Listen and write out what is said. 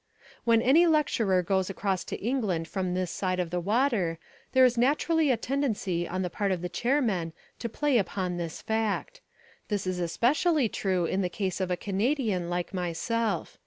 When any lecturer goes across to England from this side of the water there is naturally a tendency on the part of the chairman to play upon this fact. This is especially true in the case of a Canadian like myself.